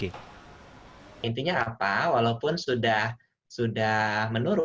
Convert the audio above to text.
intinya apa walaupun sudah menurun